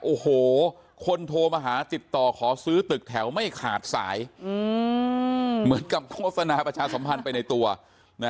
โอ้โหคนโทรมาหาติดต่อขอซื้อตึกแถวไม่ขาดสายเหมือนกับโฆษณาประชาสัมพันธ์ไปในตัวนะ